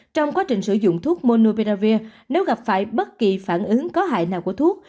trong quá trình sử dụng thuốc monopearavir nếu gặp phải bất kỳ phản ứng có hại nào của thuốc